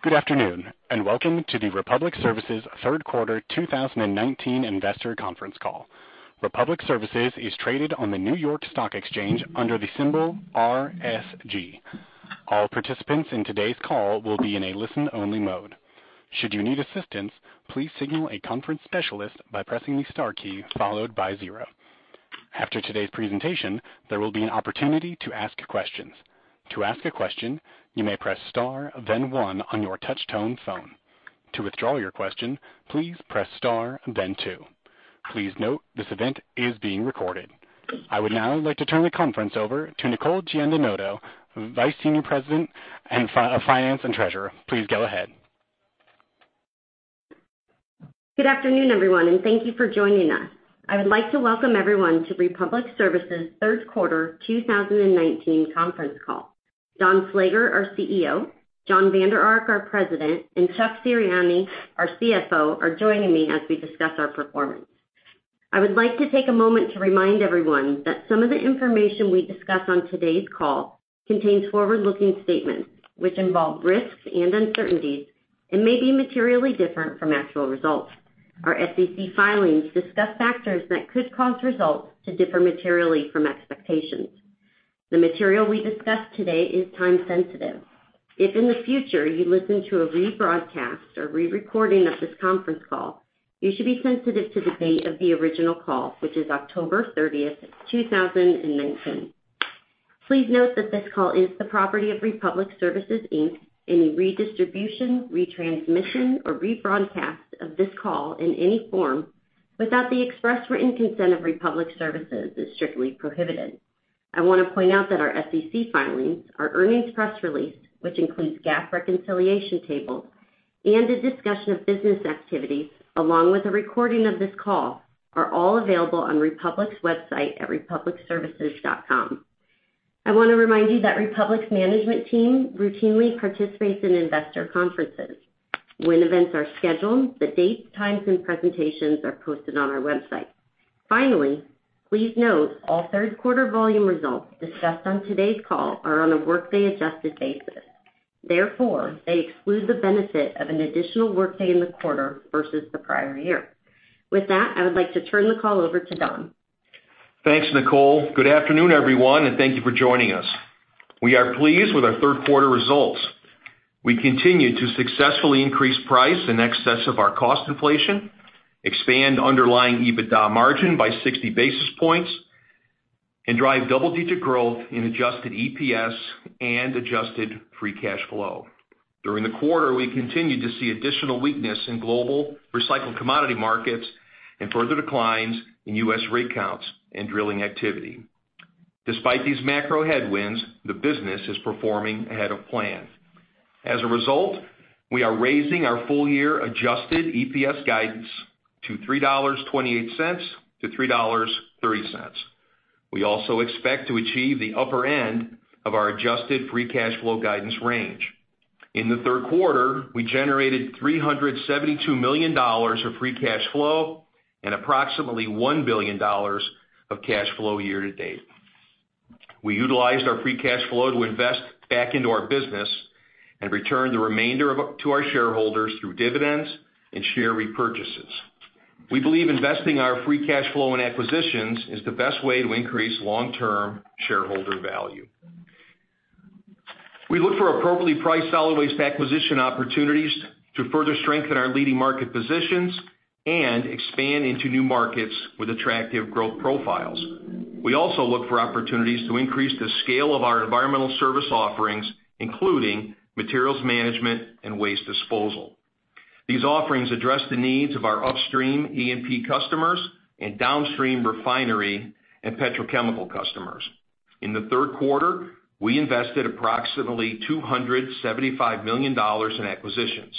Good afternoon, and welcome to the Republic Services third quarter 2019 investor conference call. Republic Services is traded on the New York Stock Exchange under the symbol RSG. All participants in today's call will be in a listen-only mode. Should you need assistance, please signal a conference specialist by pressing the star key followed by zero. After today's presentation, there will be an opportunity to ask questions. To ask a question, you may press star then one on your touch tone phone. To withdraw your question, please press star then two. Please note, this event is being recorded. I would now like to turn the conference over to Nicole Giannantonio, Senior Vice President of Finance and Treasurer. Please go ahead. Good afternoon, everyone, and thank you for joining us. I would like to welcome everyone to Republic Services' third quarter 2019 conference call. Don Slager, our CEO, Jon Vander Ark, our President, and Chuck Serianni, our CFO, are joining me as we discuss our performance. I would like to take a moment to remind everyone that some of the information we discuss on today's call contains forward-looking statements, which involve risks and uncertainties and may be materially different from actual results. Our SEC filings discuss factors that could cause results to differ materially from expectations. The material we discuss today is time sensitive. If, in the future, you listen to a rebroadcast or re-recording of this conference call, you should be sensitive to the date of the original call, which is October 30th, 2019. Please note that this call is the property of Republic Services, Inc. Any redistribution, retransmission, or rebroadcast of this call in any form without the express written consent of Republic Services is strictly prohibited. I want to point out that our SEC filings, our earnings press release, which includes GAAP reconciliation tables, and a discussion of business activities, along with a recording of this call, are all available on Republic's website at republicservices.com. I want to remind you that Republic's management team routinely participates in investor conferences. When events are scheduled, the dates, times, and presentations are posted on our website. Finally, please note all third quarter volume results discussed on today's call are on a workday-adjusted basis. Therefore, they exclude the benefit of an additional workday in the quarter versus the prior year. With that, I would like to turn the call over to Don. Thanks, Nicole. Good afternoon, everyone, and thank you for joining us. We are pleased with our third quarter results. We continue to successfully increase price in excess of our cost inflation, expand underlying EBITDA margin by 60 basis points, and drive double-digit growth in adjusted EPS and adjusted free cash flow. During the quarter, we continued to see additional weakness in global recycled commodity markets and further declines in U.S. rig counts and drilling activity. Despite these macro headwinds, the business is performing ahead of plan. As a result, we are raising our full year adjusted EPS guidance to $3.28-$3.30. We also expect to achieve the upper end of our adjusted free cash flow guidance range. In the third quarter, we generated $372 million of free cash flow and approximately $1 billion of cash flow year-to-date. We utilized our free cash flow to invest back into our business and return the remainder to our shareholders through dividends and share repurchases. We believe investing our free cash flow in acquisitions is the best way to increase long-term shareholder value. We look for appropriately priced solid waste acquisition opportunities to further strengthen our leading market positions and expand into new markets with attractive growth profiles. We also look for opportunities to increase the scale of our Environmental Services offerings, including materials management and waste disposal. These offerings address the needs of our upstream E&P customers and downstream refinery and petrochemical customers. In the third quarter, we invested approximately $275 million in acquisitions.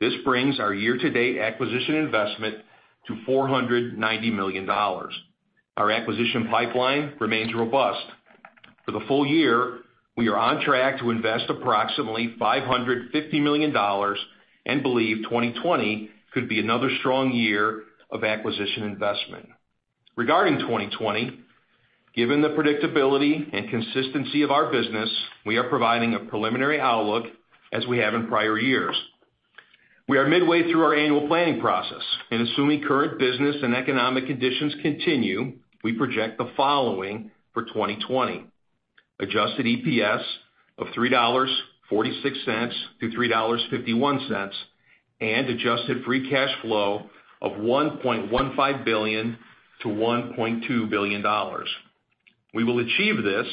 This brings our year-to-date acquisition investment to $490 million. Our acquisition pipeline remains robust. For the full year, we are on track to invest $550 million and believe 2020 could be another strong year of acquisition investment. Regarding 2020, given the predictability and consistency of our business, we are providing a preliminary outlook as we have in prior years. We are midway through our annual planning process, and assuming current business and economic conditions continue, we project the following for 2020: adjusted EPS of $3.46-$3.51, and adjusted free cash flow of $1.15 billion-$1.2 billion. We will achieve this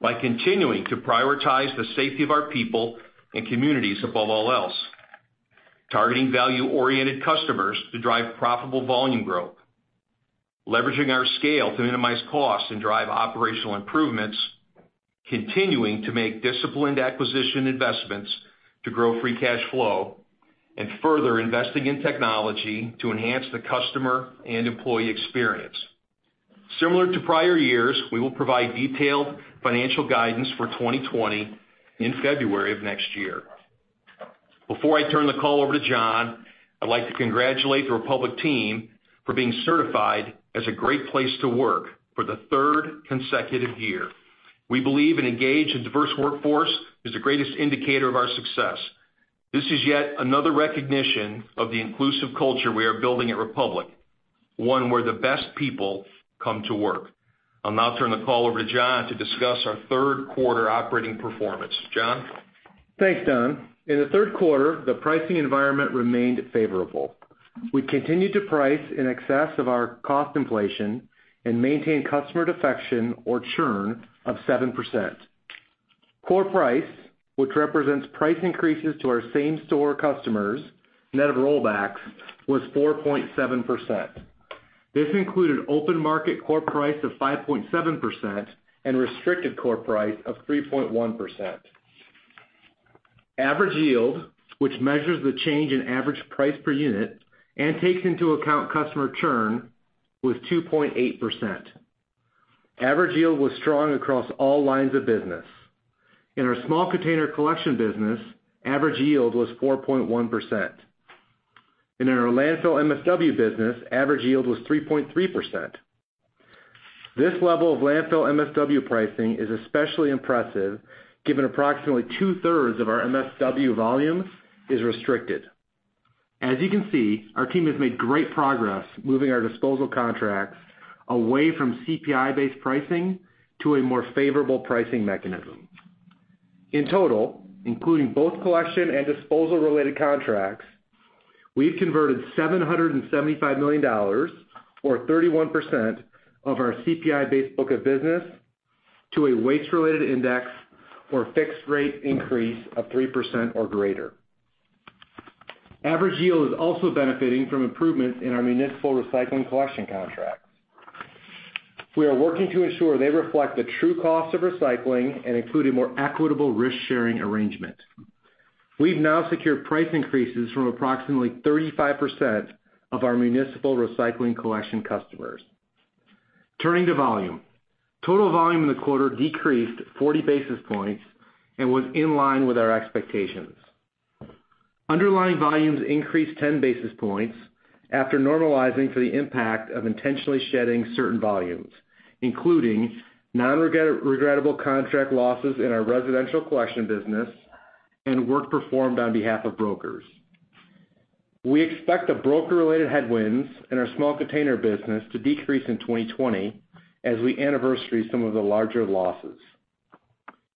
by continuing to prioritize the safety of our people and communities above all else, targeting value-oriented customers to drive profitable volume growth, leveraging our scale to minimize costs and drive operational improvements, continuing to make disciplined acquisition investments to grow free cash flow, and further investing in technology to enhance the customer and employee experience. Similar to prior years, we will provide detailed financial guidance for 2020 in February of next year. Before I turn the call over to Jon, I'd like to congratulate the Republic team for being certified as a Great Place to Work for the third consecutive year. We believe an engaged and diverse workforce is the greatest indicator of our success. This is yet another recognition of the inclusive culture we are building at Republic, one where the best people come to work. I'll now turn the call over to Jon to discuss our third quarter operating performance. Jon? Thanks, Don. In the third quarter, the pricing environment remained favorable. We continued to price in excess of our cost inflation and maintained customer defection or churn of 7%. Core price, which represents price increases to our same store customers, net of rollbacks, was 4.7%. This included open market core price of 5.7% and restricted core price of 3.1%. Average yield, which measures the change in average price per unit and takes into account customer churn, was 2.8%. Average yield was strong across all lines of business. In our small container collection business, average yield was 4.1%. In our landfill MSW business, average yield was 3.3%. This level of landfill MSW pricing is especially impressive given approximately two-thirds of our MSW volume is restricted. As you can see, our team has made great progress moving our disposal contracts away from CPI-based pricing to a more favorable pricing mechanism. In total, including both collection and disposal-related contracts, we've converted $775 million, or 31%, of our CPI-based book of business to a waste-related index or fixed rate increase of 3% or greater. Average yield is also benefiting from improvements in our municipal recycling collection contracts. We are working to ensure they reflect the true cost of recycling and include a more equitable risk-sharing arrangement. We've now secured price increases from approximately 35% of our municipal recycling collection customers. Turning to volume. Total volume in the quarter decreased 40 basis points and was in line with our expectations. Underlying volumes increased 10 basis points after normalizing for the impact of intentionally shedding certain volumes, including non-regrettable contract losses in our residential collection business and work performed on behalf of brokers. We expect the broker-related headwinds in our small container business to decrease in 2020 as we anniversary some of the larger losses.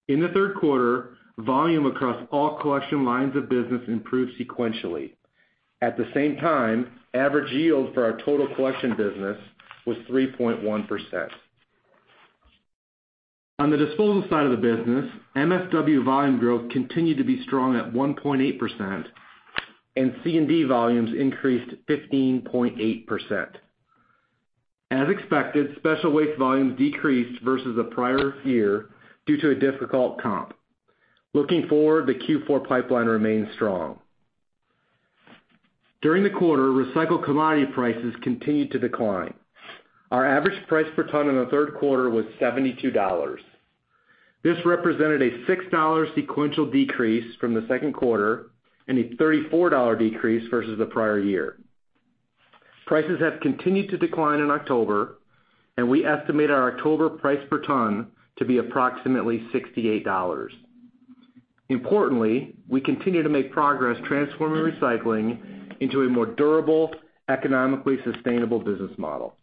In the third quarter, volume across all collection lines of business improved sequentially. At the same time, average yield for our total collection business was 3.1%. On the disposal side of the business, MSW volume growth continued to be strong at 1.8%, and C&D volumes increased 15.8%. As expected, special waste volumes decreased versus the prior year due to a difficult comp. Looking forward, the Q4 pipeline remains strong. During the quarter, recycled commodity prices continued to decline. Our average price per ton in the third quarter was $72. This represented a $6 sequential decrease from the second quarter and a $34 decrease versus the prior year. Prices have continued to decline in October, and we estimate our October price per ton to be approximately $68. Importantly, we continue to make progress transforming recycling into a more durable, economically sustainable business model.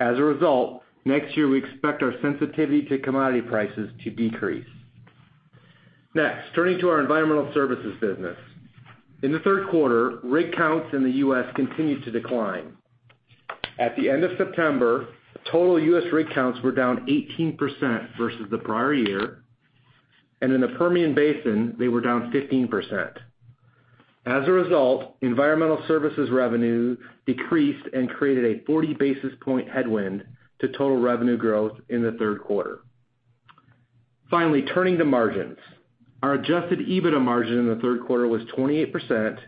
As a result, next year, we expect our sensitivity to commodity prices to decrease. Next, turning to our Environmental Services business. In the third quarter, rig counts in the U.S. continued to decline. At the end of September, total U.S. rig counts were down 18% versus the prior year, and in the Permian Basin, they were down 15%. As a result, Environmental Services revenue decreased and created a 40 basis point headwind to total revenue growth in the third quarter. Finally, turning to margins. Our adjusted EBITDA margin in the third quarter was 28%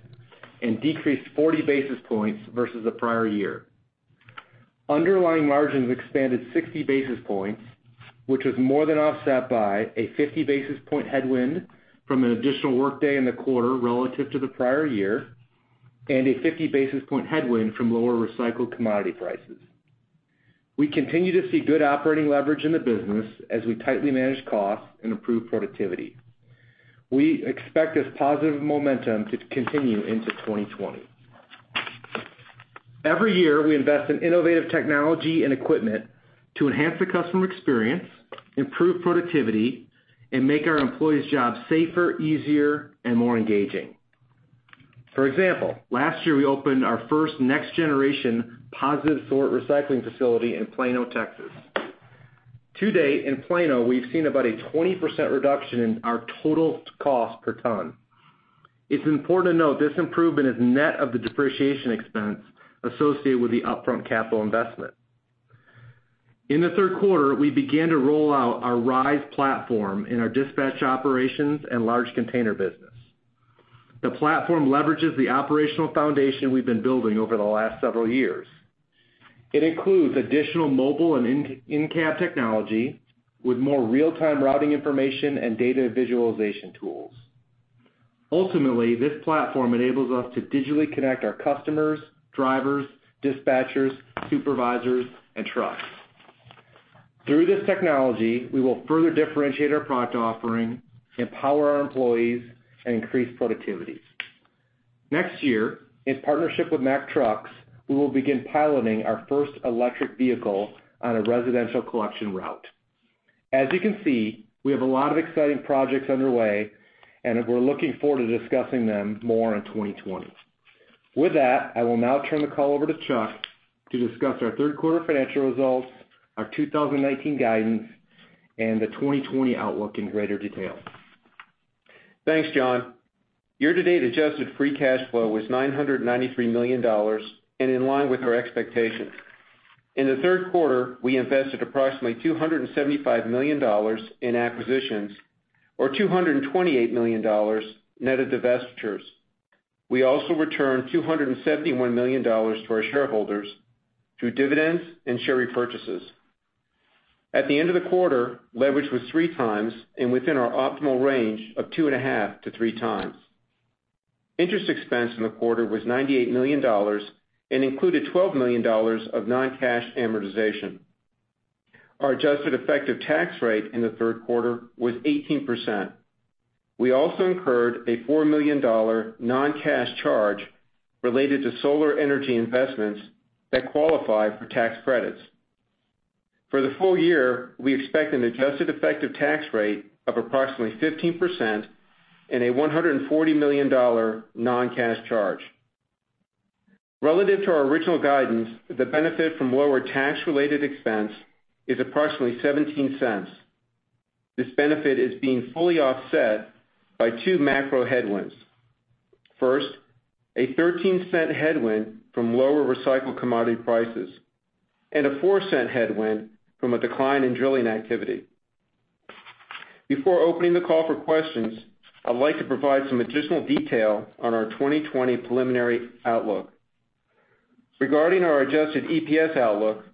and decreased 40 basis points versus the prior year. Underlying margins expanded 60 basis points, which was more than offset by a 50 basis point headwind from an additional workday in the quarter relative to the prior year, and a 50 basis point headwind from lower recycled commodity prices. We continue to see good operating leverage in the business as we tightly manage costs and improve productivity. We expect this positive momentum to continue into 2020. Every year, we invest in innovative technology and equipment to enhance the customer experience, improve productivity, and make our employees' jobs safer, easier, and more engaging. For example, last year, we opened our first next-generation positive sort recycling facility in Plano, Texas. To date, in Plano, we've seen about a 20% reduction in our total cost per ton. It's important to note this improvement is net of the depreciation expense associated with the upfront capital investment. In the third quarter, we began to roll out our RISE platform in our dispatch operations and large container business. The platform leverages the operational foundation we've been building over the last several years. It includes additional mobile and in-cab technology with more real-time routing information and data visualization tools. Ultimately, this platform enables us to digitally connect our customers, drivers, dispatchers, supervisors, and trucks. Through this technology, we will further differentiate our product offering, empower our employees, and increase productivity. Next year, in partnership with Mack Trucks, we will begin piloting our first electric vehicle on a residential collection route. As you can see, we have a lot of exciting projects underway, and we're looking forward to discussing them more in 2020. With that, I will now turn the call over to Chuck to discuss our third quarter financial results, our 2019 guidance, and the 2020 outlook in greater detail. Thanks, Jon. Year-to-date adjusted free cash flow was $993 million in line with our expectations. In the third quarter, we invested approximately $275 million in acquisitions or $228 million net of divestitures. We also returned $271 million to our shareholders through dividends and share repurchases. At the end of the quarter, leverage was three times and within our optimal range of two and a half to three times. Interest expense in the quarter was $98 million and included $12 million of non-cash amortization. Our adjusted effective tax rate in the third quarter was 18%. We also incurred a $4 million non-cash charge related to solar energy investments that qualify for tax credits. For the full year, we expect an adjusted effective tax rate of approximately 15% and a $140 million non-cash charge. Relative to our original guidance, the benefit from lower tax-related expense is approximately $0.17. This benefit is being fully offset by two macro headwinds. First, a $0.13 headwind from lower recycled commodity prices and a $0.04 headwind from a decline in drilling activity. Before opening the call for questions, I'd like to provide some additional detail on our 2020 preliminary outlook. Regarding our adjusted EPS outlook,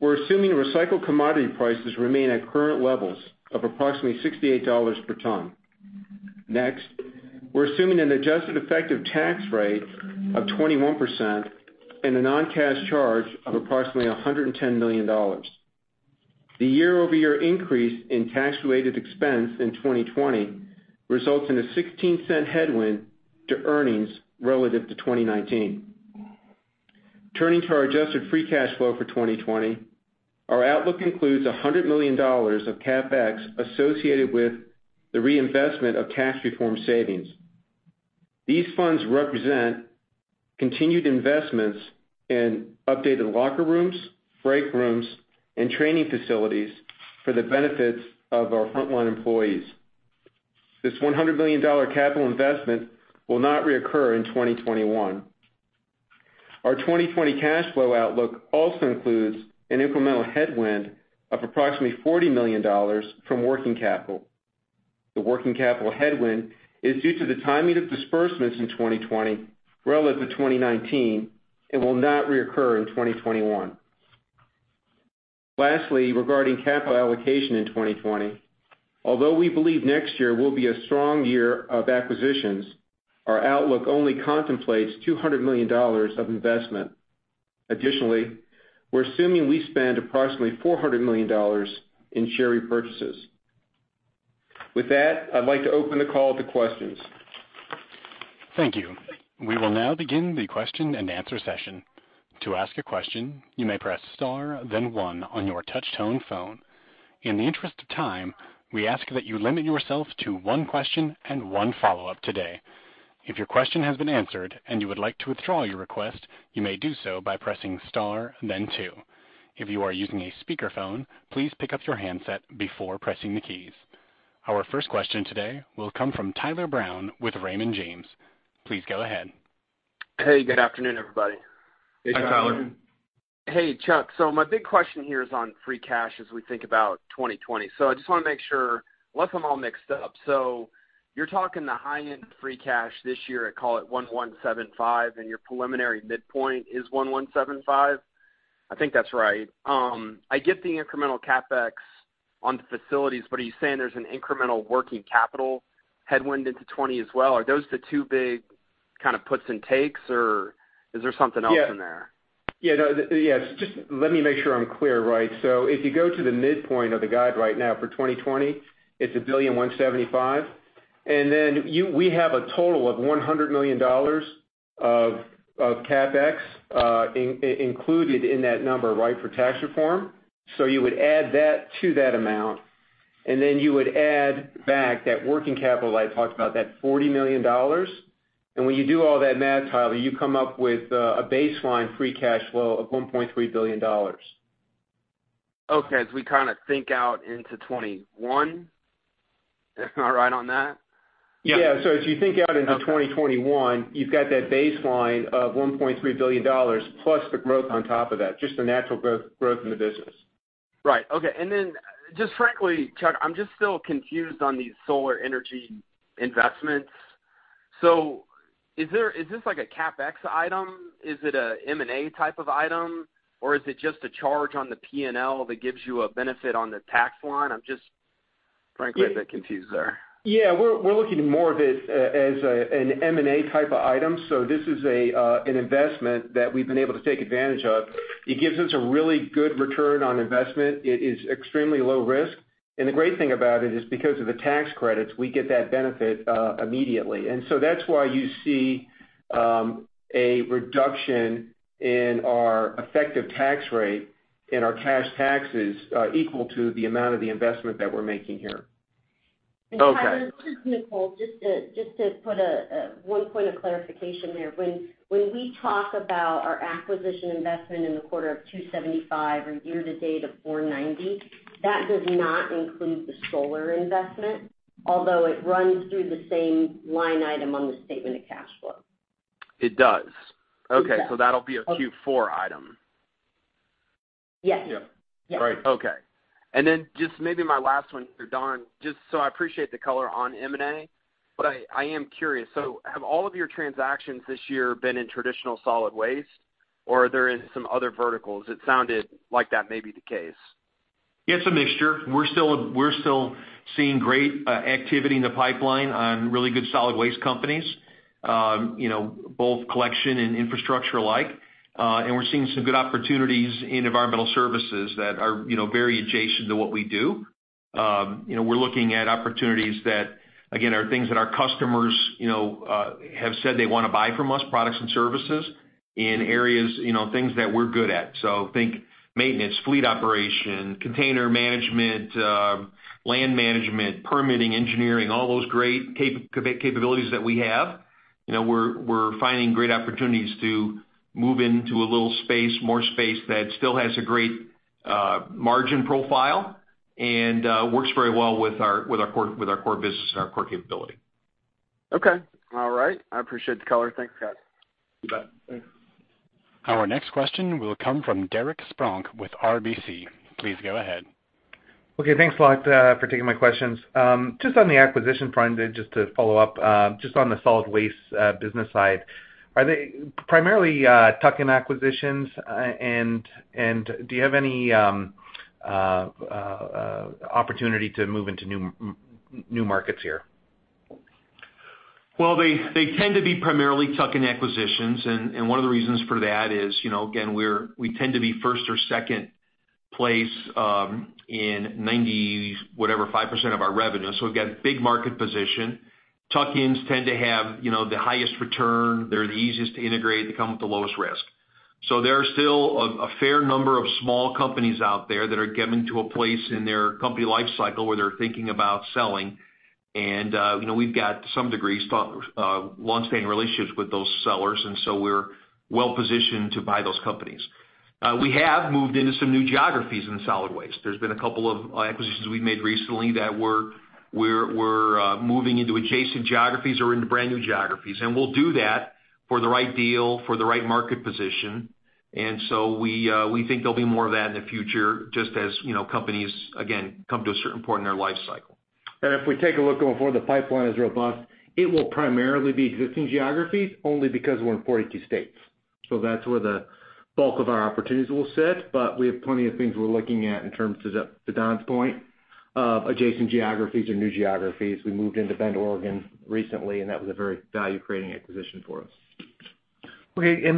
we're assuming recycled commodity prices remain at current levels of approximately $68 per ton. We're assuming an adjusted effective tax rate of 21% and a non-cash charge of approximately $110 million. The year-over-year increase in tax-related expense in 2020 results in a $0.16 headwind to earnings relative to 2019. Turning to our adjusted free cash flow for 2020, our outlook includes $100 million of CapEx associated with the reinvestment of tax reform savings. These funds represent continued investments in updated locker rooms, break rooms, and training facilities for the benefits of our frontline employees. This $100 million capital investment will not reoccur in 2021. Our 2020 cash flow outlook also includes an incremental headwind of approximately $40 million from working capital. The working capital headwind is due to the timing of disbursements in 2020 relative to 2019 and will not reoccur in 2021. Lastly, regarding capital allocation in 2020, although we believe next year will be a strong year of acquisitions, our outlook only contemplates $200 million of investment. Additionally, we're assuming we spend approximately $400 million in share repurchases. With that, I'd like to open the call to questions. Thank you. We will now begin the question and answer session. To ask a question, you may press star then one on your touch-tone phone. In the interest of time, we ask that you limit yourself to one question and one follow-up today. If your question has been answered and you would like to withdraw your request, you may do so by pressing star then two. If you are using a speakerphone, please pick up your handset before pressing the keys. Our first question today will come from Tyler Brown with Raymond James. Please go ahead. Hey, good afternoon, everybody. Hey, Tyler. Hey, Tyler. Hey, Chuck. My big question here is on free cash as we think about 2020. I just want to make sure, unless I'm all mixed up, you're talking the high-end free cash this year at, call it $1,175, and your preliminary midpoint is $1,175? I think that's right. I get the incremental CapEx on the facilities, are you saying there's an incremental working capital headwind into '20 as well? Are those the two big kind of puts and takes, or is there something else in there? Yeah. No. Yes. Just let me make sure I'm clear, right? If you go to the midpoint of the guide right now for 2020, it's $1.175 billion. We have a total of $100 million of CapEx included in that number, right? For tax reform. You would add that to that amount, you would add back that working capital I talked about, that $40 million. When you do all that math, Tyler, you come up with a baseline free cash flow of $1.3 billion. Okay. As we kind of think out into 2021, am I right on that? Yeah. As you think out into 2021, you've got that baseline of $1.3 billion plus the growth on top of that, just the natural growth in the business. Right. Okay. Just frankly, Chuck, I'm just still confused on these solar energy investments. Is this like a CapEx item? Is it a M&A type of item, or is it just a charge on the P&L that gives you a benefit on the tax line? I'm just, frankly, a bit confused there. Yeah. We're looking more of it as an M&A type of item. This is an investment that we've been able to take advantage of. It gives us a really good return on investment. It is extremely low risk, and the great thing about it is because of the tax credits, we get that benefit immediately. That's why you see a reduction in our effective tax rate and our cash taxes equal to the amount of the investment that we're making here. Okay. Tyler, this is Nicole, just to put one point of clarification there. When we talk about our acquisition investment in the quarter of $275 or year to date of $490, that does not include the solar investment, although it runs through the same line item on the statement of cash flow. It does? It does. Okay. That'll be a Q4 item. Yes. Yeah. Right. Okay. Just maybe my last one for Don. I appreciate the color on M&A, but I am curious, have all of your transactions this year been in traditional solid waste, or are there in some other verticals? It sounded like that may be the case. It's a mixture. We're still seeing great activity in the pipeline on really good solid waste companies, both collection and infrastructure alike. We're seeing some good opportunities in Environmental Services that are very adjacent to what we do. We're looking at opportunities that, again, are things that our customers have said they want to buy from us, products and services in areas, things that we're good at. Think maintenance, fleet operation, container management, land management, permitting, engineering, all those great capabilities that we have. We're finding great opportunities to move into a little space, more space that still has a great margin profile and works very well with our core business and our core capability. Okay. All right. I appreciate the color. Thanks, guys. You bet. Thanks. Our next question will come from Derek Spronck with RBC. Please go ahead. Okay. Thanks a lot for taking my questions. Just on the acquisition front, just to follow up, just on the solid waste business side, are they primarily tuck-in acquisitions? Do you have any opportunity to move into new markets here? Well, they tend to be primarily tuck-in acquisitions, and one of the reasons for that is, again, we tend to be first or second place in 90 whatever, 5% of our revenue. We've got big market position. Tuck-ins tend to have the highest return, they're the easiest to integrate, they come with the lowest risk. There are still a fair number of small companies out there that are getting to a place in their company life cycle where they're thinking about selling. We've got, to some degree, longstanding relationships with those sellers. We're well-positioned to buy those companies. We have moved into some new geographies in solid waste. There's been a couple of acquisitions we've made recently that we're moving into adjacent geographies or into brand-new geographies. We'll do that for the right deal, for the right market position, and so we think there'll be more of that in the future, just as companies, again, come to a certain point in their life cycle. If we take a look going forward, the pipeline is robust. It will primarily be existing geographies only because we're in 42 states. That's where the bulk of our opportunities will sit, but we have plenty of things we're looking at in terms, to Don's point, of adjacent geographies or new geographies. We moved into Bend, Oregon, recently, and that was a very value-creating acquisition for us. Okay.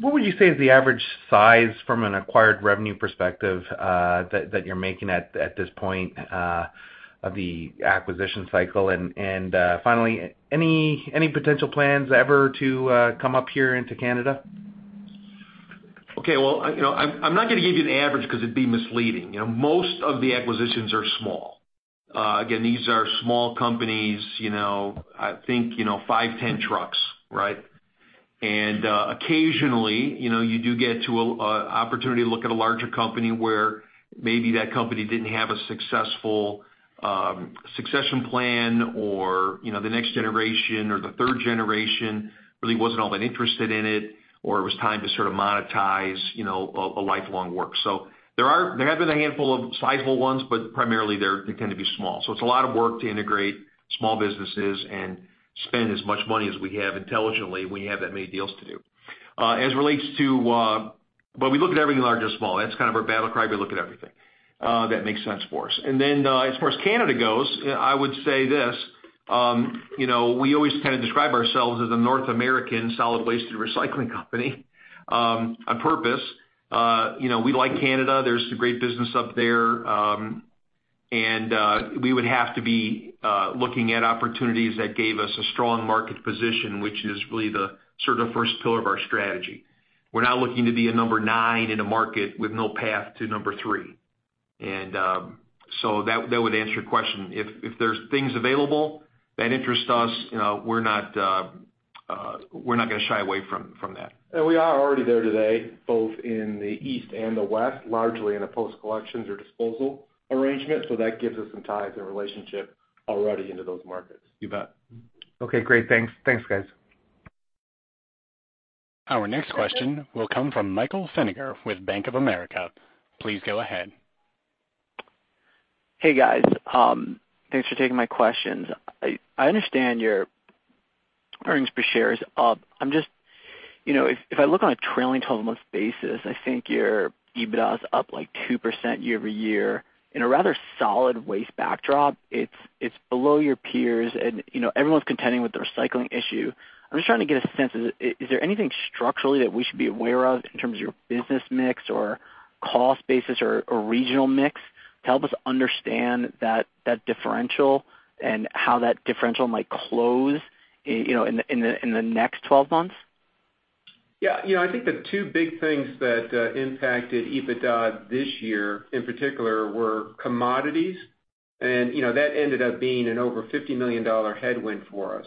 What would you say is the average size from an acquired revenue perspective that you're making at this point of the acquisition cycle? Finally, any potential plans ever to come up here into Canada? Well, I'm not going to give you an average because it'd be misleading. Most of the acquisitions are small. These are small companies, I think 5, 10 trucks. Right? Occasionally, you do get to an opportunity to look at a larger company where maybe that company didn't have a successful succession plan or the next generation or the third generation really wasn't all that interested in it, or it was time to sort of monetize a lifelong work. There have been a handful of sizable ones, but primarily, they tend to be small. It's a lot of work to integrate small businesses and spend as much money as we have intelligently when you have that many deals to do. We look at everything large or small. That's kind of our battle cry, we look at everything that makes sense for us. Then as far as Canada goes, I would say this. We always kind of describe ourselves as a North American solid waste and recycling company on purpose. We like Canada. There's some great business up there. We would have to be looking at opportunities that gave us a strong market position, which is really the sort of first pillar of our strategy. We're not looking to be a number 9 in a market with no path to number 3. That would answer your question. If there's things available that interest us, we're not going to shy away from that. We are already there today, both in the East and the West, largely in a post-collections or disposal arrangement, so that gives us some ties and relationship already into those markets. You bet. Okay, great. Thanks. Thanks, guys. Our next question will come from Michael Feniger with Bank of America. Please go ahead. Hey, guys. Thanks for taking my questions. I understand your earnings per share is up. If I look on a trailing 12-month basis, I think your EBITDA is up 2% year-over-year in a rather solid waste backdrop. It's below your peers and everyone's contending with the recycling issue. I'm just trying to get a sense, is there anything structurally that we should be aware of in terms of your business mix or cost basis or regional mix to help us understand that differential and how that differential might close in the next 12 months? Yeah. I think the two big things that impacted EBITDA this year, in particular, were commodities. That ended up being an over $50 million headwind for us.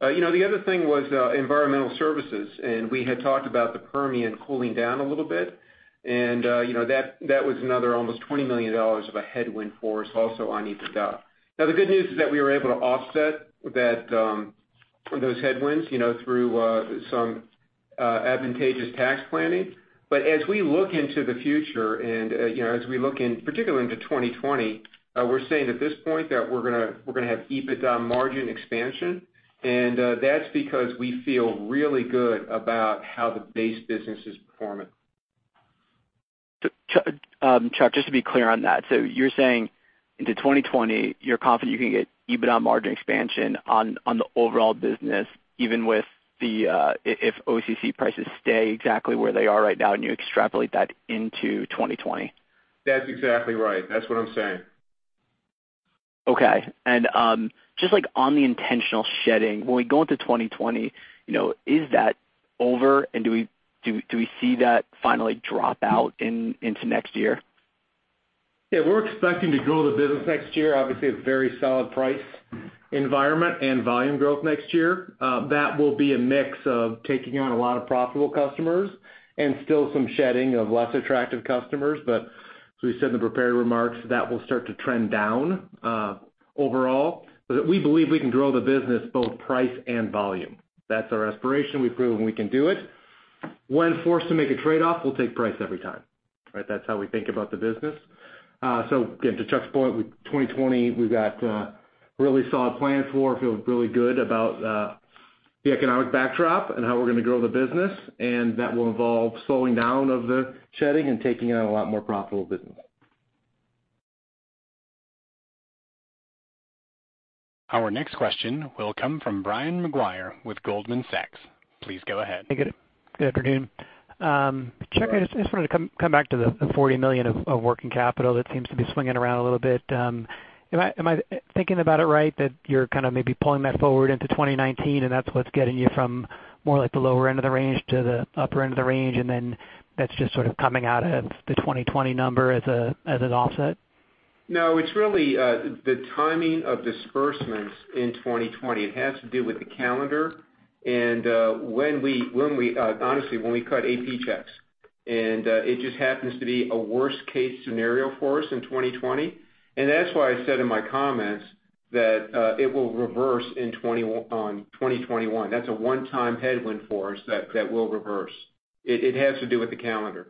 The other thing was Environmental Services, we had talked about the Permian cooling down a little bit, that was another almost $20 million of a headwind for us also on EBITDA. The good news is that we were able to offset those headwinds through some advantageous tax planning. As we look into the future and, as we look in, particularly into 2020, we're saying at this point that we're going to have EBITDA margin expansion, that's because we feel really good about how the base business is performing. Chuck, just to be clear on that. You're saying into 2020, you're confident you can get EBITDA margin expansion on the overall business, even if OCC prices stay exactly where they are right now and you extrapolate that into 2020? That's exactly right. That's what I'm saying. Okay. Just on the intentional shedding, when we go into 2020, is that over, and do we see that finally drop out into next year? Yeah. We're expecting to grow the business next year. Obviously, a very solid price environment and volume growth next year. That will be a mix of taking on a lot of profitable customers and still some shedding of less attractive customers. As we said in the prepared remarks, that will start to trend down overall. We believe we can grow the business, both price and volume. That's our aspiration. We've proven we can do it. When forced to make a trade-off, we'll take price every time. That's how we think about the business. Again, to Chuck's point, with 2020, we've got a really solid plan for, feel really good about the economic backdrop and how we're going to grow the business, and that will involve slowing down of the shedding and taking on a lot more profitable business. Our next question will come from Brian Maguire with Goldman Sachs. Please go ahead. Hey, good afternoon. Chuck, I just wanted to come back to the $40 million of working capital that seems to be swinging around a little bit. Am I thinking about it right that you're kind of maybe pulling that forward into 2019, and that's what's getting you from more like the lower end of the range to the upper end of the range, and then that's just sort of coming out of the 2020 number as an offset? No, it's really the timing of disbursements in 2020. It has to do with the calendar and honestly, when we cut AP checks. It just happens to be a worst-case scenario for us in 2020. That's why I said in my comments that it will reverse on 2021. That's a one-time headwind for us that will reverse. It has to do with the calendar.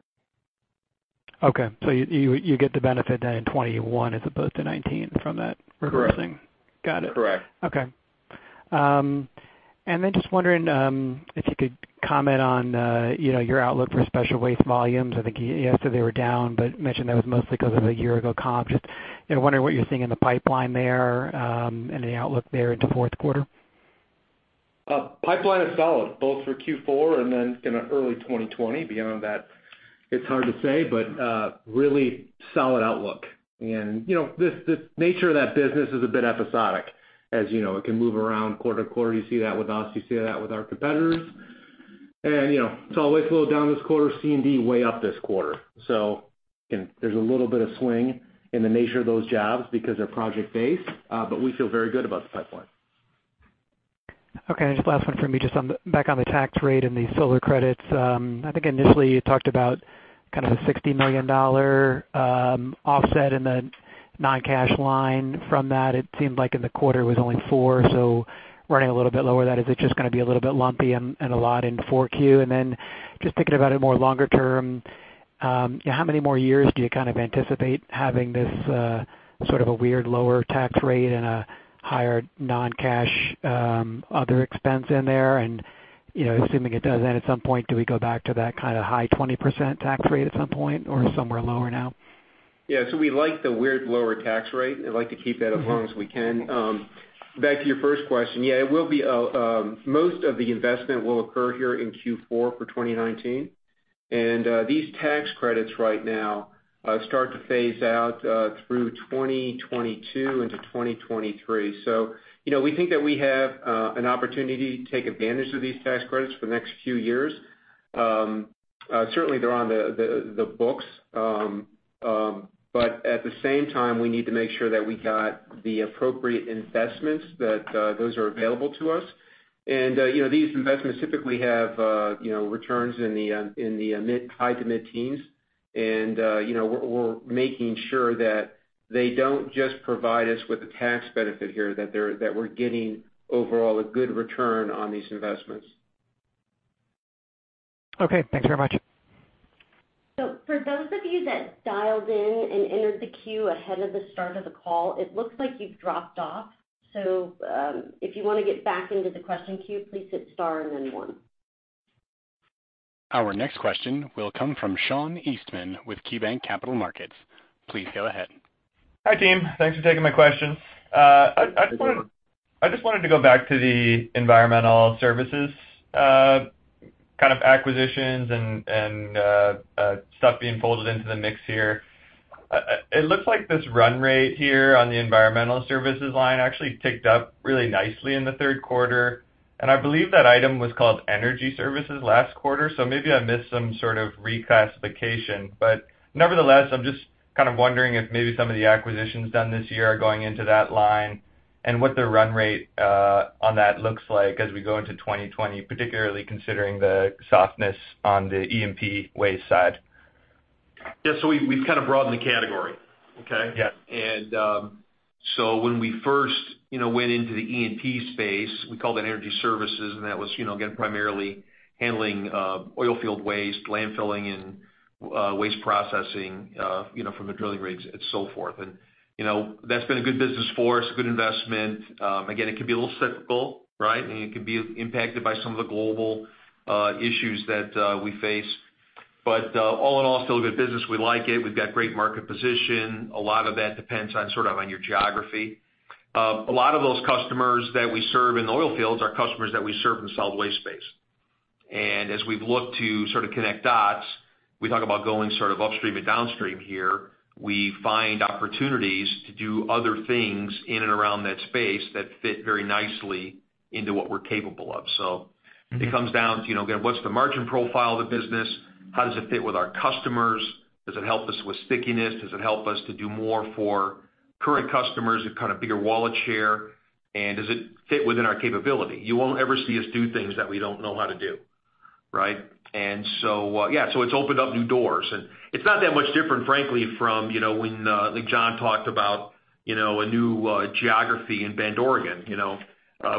Okay. You get the benefit then in 2021 as opposed to 2019 from that reversing? Correct. Got it. Correct. Okay. Just wondering if you could comment on your outlook for special waste volumes. I think you answered they were down, but mentioned that was mostly because of the year-ago comp. Just wondering what you're seeing in the pipeline there, and the outlook there into fourth quarter. Pipeline is solid, both for Q4 and then early 2020. Beyond that, it's hard to say, but really solid outlook. The nature of that business is a bit episodic as it can move around quarter to quarter. You see that with us, you see that with our competitors. Solid waste little down this quarter, C&D way up this quarter. There's a little bit of swing in the nature of those jobs because they're project-based, but we feel very good about the pipeline. Okay, just last one for me, just back on the tax rate and the solar credits. I think initially you talked about kind of a $60 million offset in the non-cash line from that. It seemed like in the quarter it was only $4, so running a little bit lower. That is it just going to be a little bit lumpy and a lot in 4Q? Just thinking about it more longer term, how many more years do you kind of anticipate having this sort of a weird lower tax rate and a higher non-cash other expense in there? Assuming it does end at some point, do we go back to that kind of high 20% tax rate at some point or somewhere lower now? Yeah, we like the weird lower tax rate, and like to keep that as long as we can. Back to your first question, yeah, most of the investment will occur here in Q4 for 2019. These tax credits right now start to phase out through 2022 into 2023. We think that we have an opportunity to take advantage of these tax credits for the next few years. Certainly, they're on the books, but at the same time, we need to make sure that we got the appropriate investments, that those are available to us. These investments typically have returns in the high to mid-teens. We're making sure that they don't just provide us with the tax benefit here, that we're getting overall a good return on these investments. Okay, thanks very much. For those of you that dialed in and entered the queue ahead of the start of the call, it looks like you've dropped off. If you want to get back into the question queue, please hit star and then one. Our next question will come from Sean Eastman with KeyBanc Capital Markets. Please go ahead. Hi, team. Thanks for taking my question. I just wanted to go back to the Environmental Services kind of acquisitions and stuff being folded into the mix here. It looks like this run rate here on the Environmental Services line actually ticked up really nicely in the third quarter, and I believe that item was called Energy Services last quarter. Maybe I missed some sort of reclassification. Nevertheless, I'm just kind of wondering if maybe some of the acquisitions done this year are going into that line and what the run rate on that looks like as we go into 2020, particularly considering the softness on the E&P waste side. Yeah. We've kind of broadened the category. Okay? Yeah. When we first went into the E&P space, we called that Energy Services, and that was, again, primarily handling oil field waste, landfilling, and waste processing from the drilling rigs and so forth. That's been a good business for us, a good investment. Again, it can be a little cyclical, right? It can be impacted by some of the global issues that we face. All in all, still a good business. We like it. We've got great market position. A lot of that depends on sort of on your geography. A lot of those customers that we serve in the oil fields are customers that we serve in the solid waste space. As we've looked to sort of connect dots, we talk about going sort of upstream and downstream here, we find opportunities to do other things in and around that space that fit very nicely into what we're capable of. It comes down to, again, what's the margin profile of the business? How does it fit with our customers? Does it help us with stickiness? Does it help us to do more for current customers with kind of bigger wallet share, and does it fit within our capability? You won't ever see us do things that we don't know how to do. Right? Yeah, so it's opened up new doors. It's not that much different, frankly, from when Jon talked about a new geography in Bend, Oregon.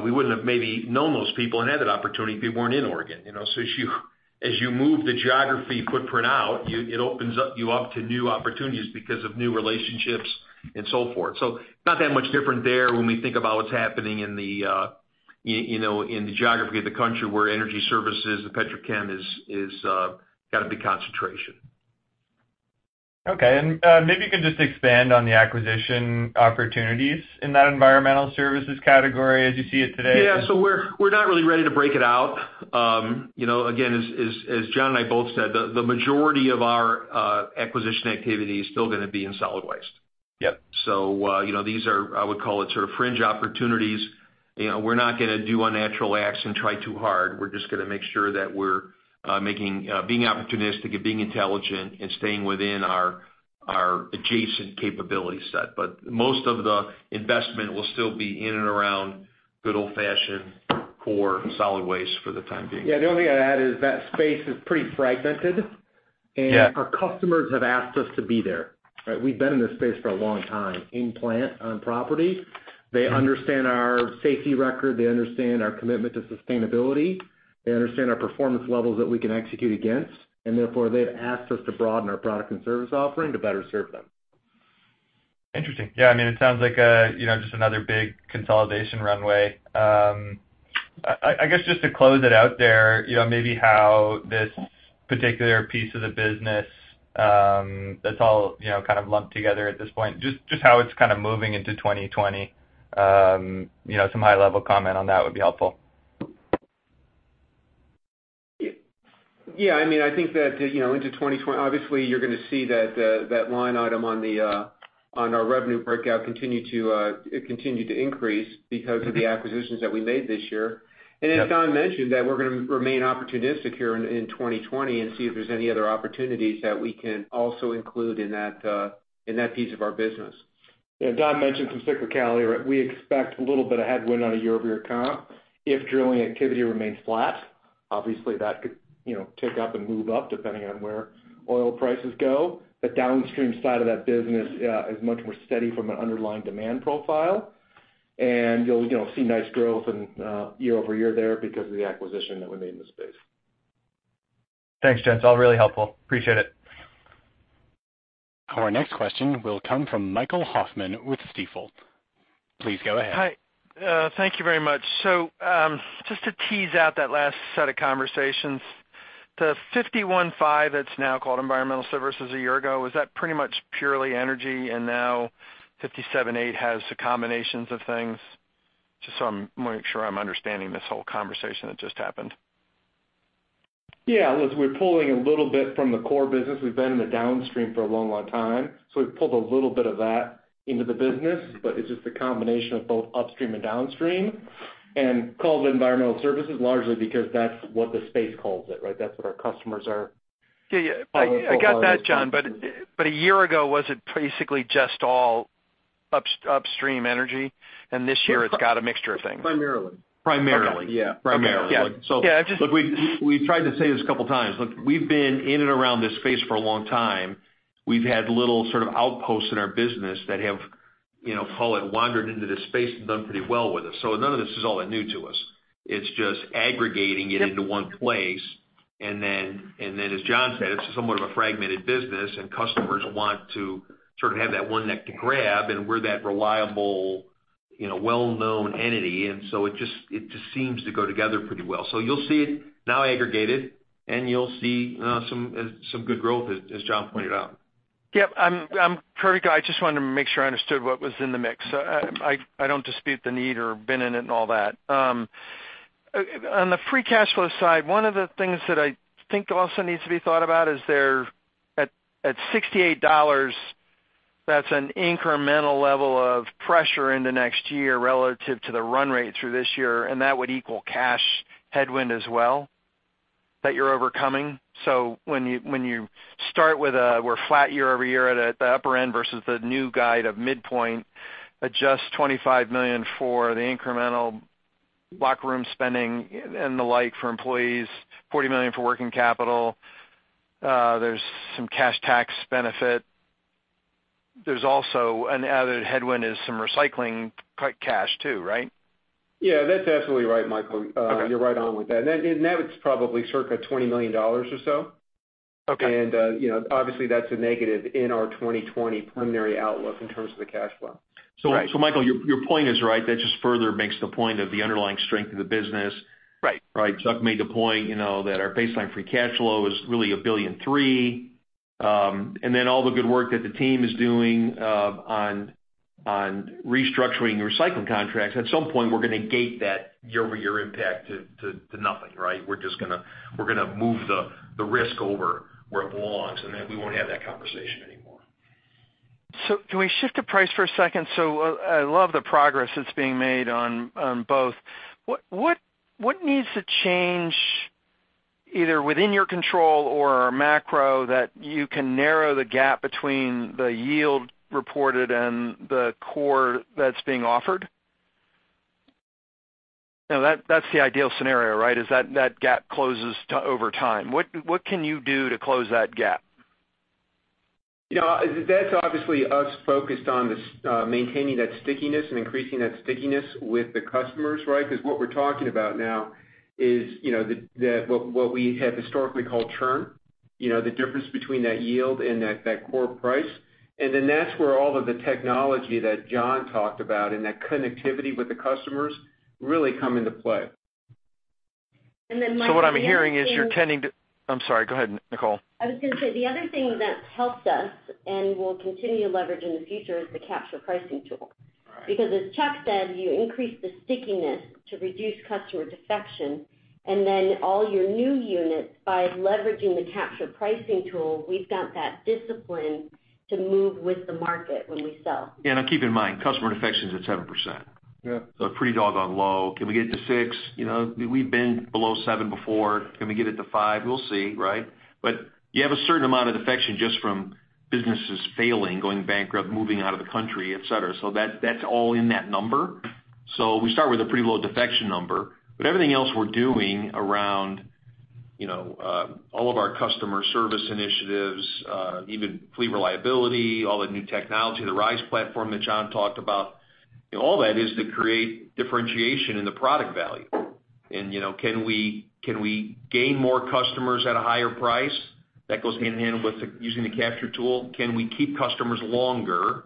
We wouldn't have maybe known those people and had that opportunity if we weren't in Oregon. As you move the geography footprint out, it opens you up to new opportunities because of new relationships and so forth. Not that much different there when we think about what's happening in the geography of the country where Energy Services and petrochem has got a big concentration. Okay. Maybe you can just expand on the acquisition opportunities in that Environmental Services category as you see it today? Yeah. We're not really ready to break it out. Again, as Jon and I both said, the majority of our acquisition activity is still going to be in solid waste. Yep. These are, I would call it, sort of fringe opportunities. We're not going to do unnatural acts and try too hard. We're just going to make sure that we're being opportunistic and being intelligent and staying within our adjacent capability set. Most of the investment will still be in and around good old-fashioned core solid waste for the time being. Yeah, the only thing I'd add is that space is pretty fragmented. Yeah our customers have asked us to be there. Right? We've been in this space for a long time, in plant, on property. They understand our safety record. They understand our commitment to sustainability. They understand our performance levels that we can execute against, and therefore, they've asked us to broaden our product and service offering to better serve them. Interesting. Yeah, it sounds like just another big consolidation runway. I guess, just to close it out there, maybe how this particular piece of the business that's all kind of lumped together at this point, just how it's kind of moving into 2020. Some high-level comment on that would be helpful. Yeah. I think that into 2020, obviously, you're going to see that line item on our revenue breakout continue to increase because of the acquisitions that we made this year. As Don mentioned, that we're going to remain opportunistic here in 2020 and see if there's any other opportunities that we can also include in that piece of our business. Yeah. Don mentioned some cyclicality. We expect a little bit of headwind on a year-over-year comp if drilling activity remains flat. Obviously, that could tick up and move up depending on where oil prices go. The downstream side of that business is much more steady from an underlying demand profile, and you'll see nice growth in year-over-year there because of the acquisition that we made in the space. Thanks, gents. All really helpful. Appreciate it. Our next question will come from Michael Hoffman with Stifel. Please go ahead. Hi. Thank you very much. Just to tease out that last set of conversations, the 51.5 that's now called Environmental Services a year ago, was that pretty much purely energy, and now 57.8 has the combinations of things? Just so I make sure I'm understanding this whole conversation that just happened. Yeah. Listen, we're pulling a little bit from the core business. We've been in the downstream for a long, long time, so we've pulled a little bit of that into the business, but it's just a combination of both upstream and downstream and called Environmental Services largely because that's what the space calls it, right? That's what our customers are. Yeah, I got that, Jon. A year ago, was it basically just all upstream energy, and this year it's got a mixture of things? Primarily. Primarily. Yeah. Primarily. Yeah. Look, we've tried to say this a couple of times. Look, we've been in and around this space for a long time. We've had little sort of outposts in our business that have, call it, wandered into this space and done pretty well with us. None of this is all that new to us. It's just aggregating it into one place, and then, as Jon said, it's somewhat of a fragmented business, and customers want to sort of have that one neck to grab, and we're that reliable, well-known entity. It just seems to go together pretty well. You'll see it now aggregated, and you'll see some good growth as Jon pointed out. Yep. Perfect. I just wanted to make sure I understood what was in the mix. I don't dispute the need or been in it and all that. On the free cash flow side, one of the things that I think also needs to be thought about is there, at $68, that's an incremental level of pressure in the next year relative to the run rate through this year, and that would equal cash headwind as well, that you're overcoming. When you start with a, we're flat year-over-year at the upper end versus the new guide of midpoint, adjust $25 million for the incremental locker room spending and the like for employees, $40 million for working capital. There's some cash tax benefit. There's also an added headwind as some recycling cash, too, right? Yeah, that's absolutely right, Michael. Okay. You're right on with that. That is probably circa $20 million or so. Okay. Obviously, that's a negative in our 2020 preliminary outlook in terms of the cash flow. Right. Michael, your point is right. That just further makes the point of the underlying strength of the business. Right. Right. Chuck made the point, that our baseline free cash flow is really $1.3 billion. Then all the good work that the team is doing on restructuring recycling contracts. At some point, we're going to gate that year-over-year impact to nothing. We're going to move the risk over where it belongs, and then we won't have that conversation anymore. Can we shift to price for a second? I love the progress that's being made on both. What needs to change, either within your control or our macro, that you can narrow the gap between the yield reported and the core that's being offered? That's the ideal scenario. Is that that gap closes over time? What can you do to close that gap? That's obviously us focused on maintaining that stickiness and increasing that stickiness with the customers. What we're talking about now is what we have historically called churn. The difference between that yield and that core price. That's where all of the technology that Jon talked about and that connectivity with the customers really come into play. And then my feeling is- What I'm hearing is. I'm sorry, go ahead, Nicole. I was going to say, the other thing that's helped us and will continue to leverage in the future is the capture pricing tool. Right. Because as Chuck said, you increase the stickiness to reduce customer defection, and then all your new units, by leveraging the capture pricing tool, we've got that discipline to move with the market when we sell. Now keep in mind, customer defection's at 7%. Yeah. Pretty doggone low. Can we get it to 6%? We've been below 7% before. Can we get it to 5%? We'll see. You have a certain amount of defection just from businesses failing, going bankrupt, moving out of the country, et cetera. That's all in that number. We start with a pretty low defection number. Everything else we're doing around all of our customer service initiatives, even fleet reliability, all the new technology, the RISE platform that Jon talked about, all that is to create differentiation in the product value. Can we gain more customers at a higher price? That goes hand-in-hand with using the capture tool. Can we keep customers longer?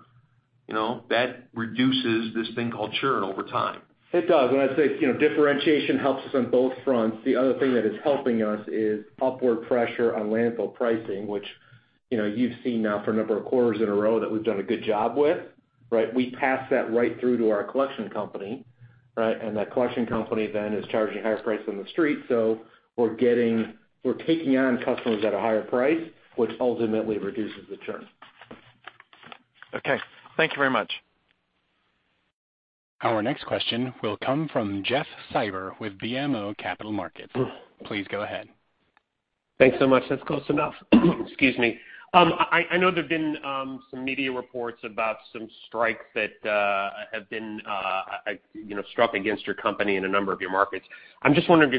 That reduces this thing called churn over time. It does. When I say differentiation helps us on both fronts, the other thing that is helping us is upward pressure on landfill pricing, which you've seen now for a number of quarters in a row that we've done a good job with. We pass that right through to our collection company. That collection company then is charging higher prices on the street. We're taking on customers at a higher price, which ultimately reduces the churn. Okay. Thank you very much. Our next question will come from Jeff Silber with BMO Capital Markets. Please go ahead. Thanks so much. That's close enough. Excuse me. I know there've been some media reports about some strikes that have been struck against your company in a number of your markets. I'm just wondering,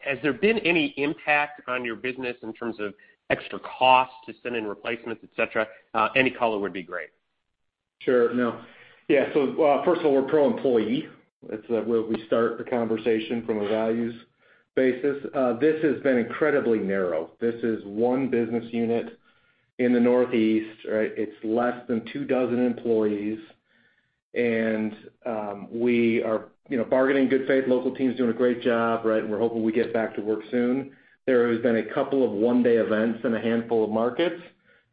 has there been any impact on your business in terms of extra costs to send in replacements, et cetera? Any color would be great. Sure. No. Yeah. First of all, we're pro-employee. That's where we start the conversation from a values basis. This has been incredibly narrow. This is one business unit in the Northeast. It's less than two dozen employees. We are bargaining in good faith. Local team's doing a great job. We're hoping we get back to work soon. There has been a couple of one-day events in a handful of markets.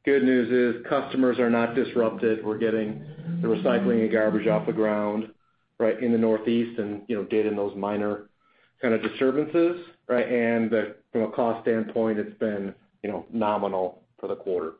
Good news is customers are not disrupted. We're getting the recycling and garbage off the ground in the Northeast and getting those minor kind of disturbances. From a cost standpoint, it's been nominal for the quarter.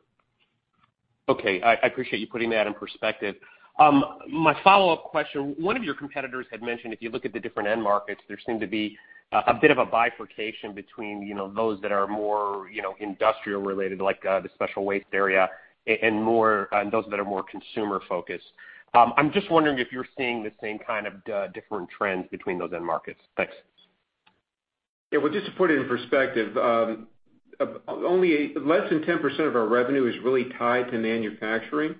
Okay. I appreciate you putting that in perspective. My follow-up question, one of your competitors had mentioned if you look at the different end markets, there seem to be a bit of a bifurcation between those that are more industrial related, like the special waste area, and those that are more consumer focused. I'm just wondering if you're seeing the same kind of different trends between those end markets. Thanks. Well, just to put it in perspective, less than 10% of our revenue is really tied to manufacturing.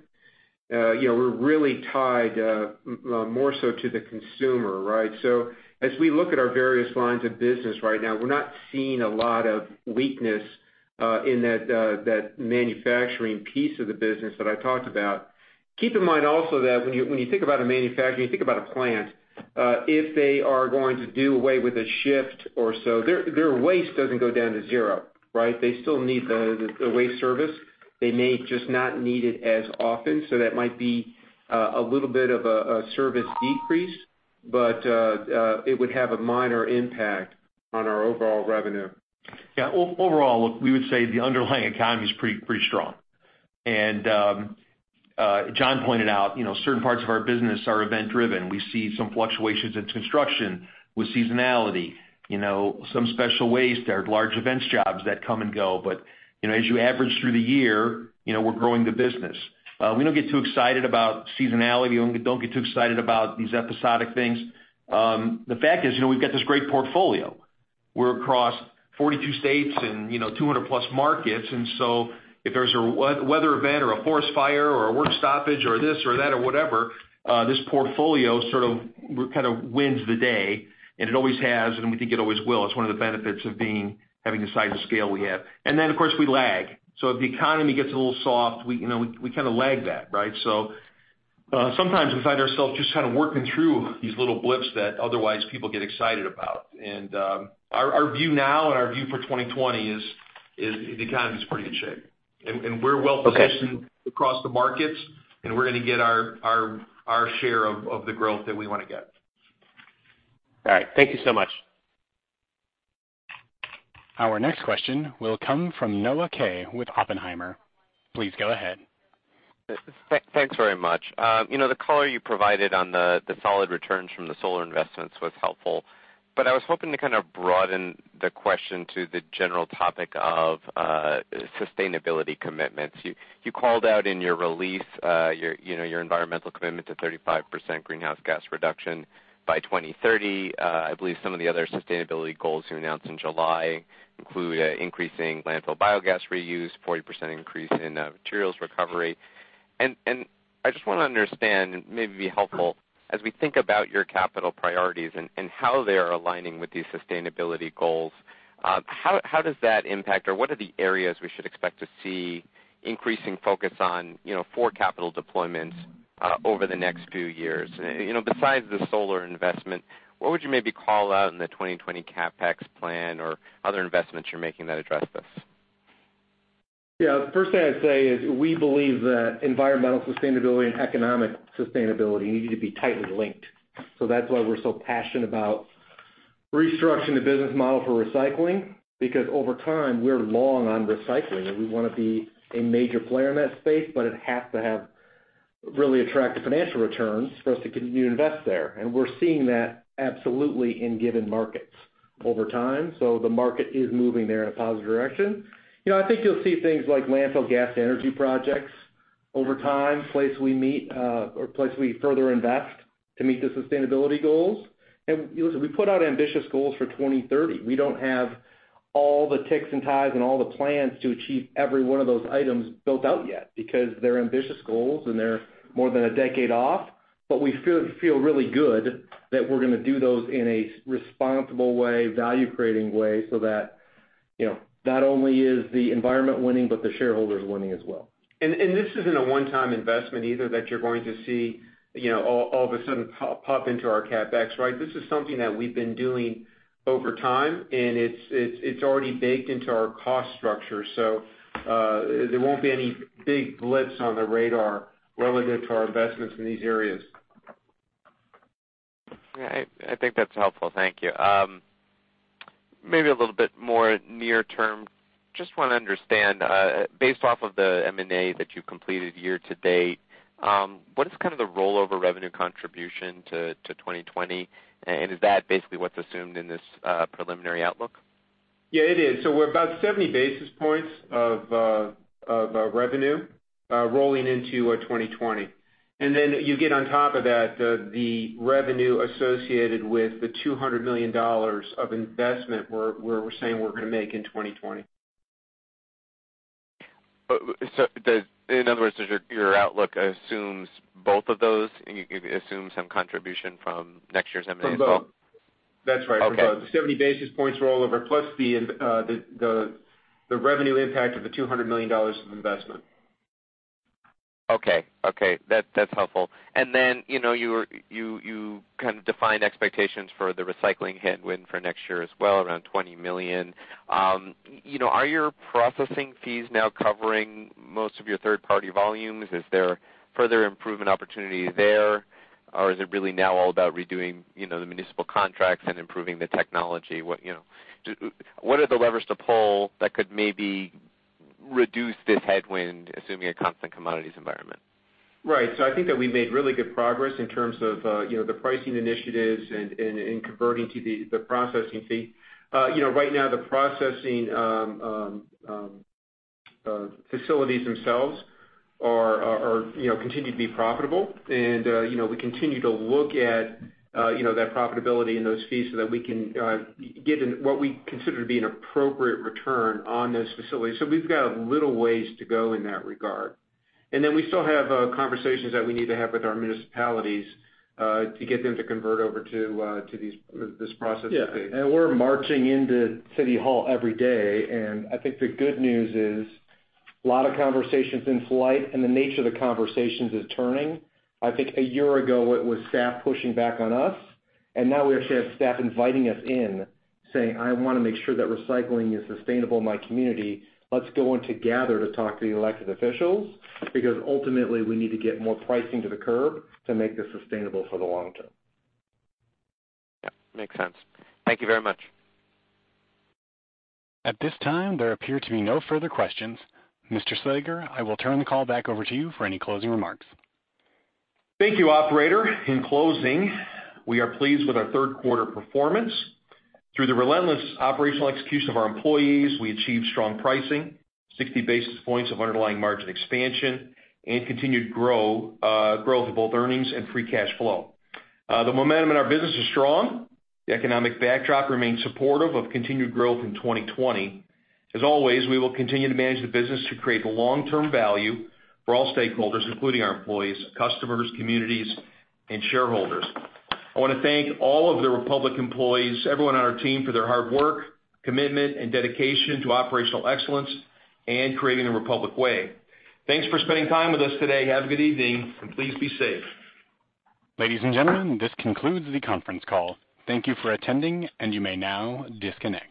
We're really tied more so to the consumer, right? As we look at our various lines of business right now, we're not seeing a lot of weakness in that manufacturing piece of the business that I talked about. Keep in mind also that when you think about a manufacturer, you think about a plant. If they are going to do away with a shift or so, their waste doesn't go down to zero, right? They still need the waste service. They may just not need it as often. That might be a little bit of a service decrease, but it would have a minor impact on our overall revenue. Yeah. Overall, look, we would say the underlying economy is pretty strong. Jon pointed out, certain parts of our business are event-driven. We see some fluctuations in construction with seasonality. Some special waste are large events jobs that come and go, but as you average through the year, we're growing the business. We don't get too excited about seasonality. We don't get too excited about these episodic things. The fact is, we've got this great portfolio. We're across 42 states and 200-plus markets. If there's a weather event or a forest fire or a work stoppage or this or that or whatever, this portfolio sort of wins the day, and it always has, and we think it always will. It's one of the benefits of having the size and scale we have. Then, of course, we lag. If the economy gets a little soft, we kind of lag that, right? Sometimes we find ourselves just kind of working through these little blips that otherwise people get excited about. Our view now and our view for 2020 is the economy's pretty in shape. Okay. We're well-positioned across the markets, and we're going to get our share of the growth that we want to get. All right. Thank you so much. Our next question will come from Noah Kaye with Oppenheimer. Please go ahead. Thanks very much. The color you provided on the solid returns from the solar investments was helpful, but I was hoping to kind of broaden the question to the general topic of sustainability commitments. You called out in your release your environmental commitment to 35% greenhouse gas reduction by 2030. I believe some of the other sustainability goals you announced in July include increasing landfill biogas reuse, 40% increase in materials recovery. I just want to understand, it may be helpful, as we think about your capital priorities and how they are aligning with these sustainability goals, how does that impact, or what are the areas we should expect to see increasing focus on four capital deployments over the next few years? Besides the solar investment, what would you maybe call out in the 2020 CapEx plan or other investments you're making that address this? Yeah. The first thing I'd say is we believe that environmental sustainability and economic sustainability need to be tightly linked. That's why we're so passionate about restructuring the business model for recycling, because over time, we're long on recycling, and we want to be a major player in that space, but it has to have really attractive financial returns for us to continue to invest there. We're seeing that absolutely in given markets over time. The market is moving there in a positive direction. I think you'll see things like landfill gas-to-energy projects over time, place we further invest to meet the sustainability goals. Listen, we put out ambitious goals for 2030. We don't have all the ticks and ties and all the plans to achieve every one of those items built out yet because they're ambitious goals, and they're more than a decade off. We feel really good that we're going to do those in a responsible way, value-creating way, so that not only is the environment winning, but the shareholder is winning as well. This isn't a one-time investment either that you're going to see all of a sudden pop into our CapEx, right? This is something that we've been doing over time, and it's already baked into our cost structure. There won't be any big blips on the radar relative to our investments in these areas. Yeah, I think that's helpful. Thank you. Maybe a little bit more near term, just want to understand, based off of the M&A that you completed year to date, what is kind of the rollover revenue contribution to 2020? Is that basically what's assumed in this preliminary outlook? Yeah, it is. We're about 70 basis points of revenue rolling into 2020. You get on top of that the revenue associated with the $200 million of investment where we're saying we're going to make in 2020. In other words, your outlook assumes both of those, and you assume some contribution from next year's M&A as well? From both. That's right, from both. Okay. The 70 basis points rollover, plus the revenue impact of the $200 million of investment. Okay. That's helpful. Then, you kind of defined expectations for the recycling headwind for next year as well, around $20 million. Are your processing fees now covering most of your third-party volumes? Is there further improvement opportunity there? Is it really now all about redoing the municipal contracts and improving the technology? What are the levers to pull that could maybe reduce this headwind, assuming a constant commodities environment? Right. I think that we made really good progress in terms of the pricing initiatives and in converting to the processing fee. Right now, the processing facilities themselves continue to be profitable, and we continue to look at that profitability and those fees so that we can get what we consider to be an appropriate return on those facilities. We've got a little ways to go in that regard. We still have conversations that we need to have with our municipalities, to get them to convert over to this process. Yeah. We're marching into City Hall every day, and I think the good news is, a lot of conversations in flight, and the nature of the conversations is turning. I think a year ago, it was staff pushing back on us, and now we actually have staff inviting us in, saying, "I want to make sure that recycling is sustainable in my community. Let's go in together to talk to the elected officials, because ultimately, we need to get more pricing to the curb to make this sustainable for the long term. Yep, makes sense. Thank you very much. At this time, there appear to be no further questions. Mr. Slager, I will turn the call back over to you for any closing remarks. Thank you, operator. In closing, we are pleased with our third quarter performance. Through the relentless operational execution of our employees, we achieved strong pricing, 60 basis points of underlying margin expansion, and continued growth of both earnings and free cash flow. The momentum in our business is strong. The economic backdrop remains supportive of continued growth in 2020. As always, we will continue to manage the business to create long-term value for all stakeholders, including our employees, customers, communities, and shareholders. I want to thank all of the Republic Services employees, everyone on our team, for their hard work, commitment, and dedication to operational excellence and creating the Republic Services way. Thanks for spending time with us today. Have a good evening, and please be safe. Ladies and gentlemen, this concludes the conference call. Thank you for attending, and you may now disconnect.